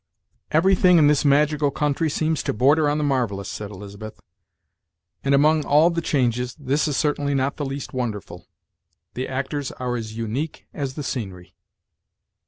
"Everything in this magical country seems to border on the marvellous," said Elizabeth; "and, among all the changes, this is certainly not the least wonderful, The actors are as unique as the scenery."